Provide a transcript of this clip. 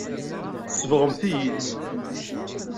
Tsebɣemt-iyi-tt.